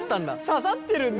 刺さってるんだ。